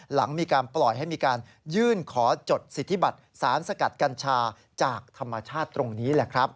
หลังมีการปล่อยให้มีการยื่นขอจดสิทธิบัตรสารสกัดกัญชาจากธรรมชาติตรงนี้แหละครับ